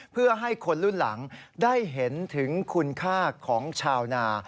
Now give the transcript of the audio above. เพื่อให้คนรุ่นหลังได้เห็นถึงคุณค่าของชาวนา